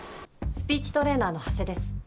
スピーチトレーナーの長谷です。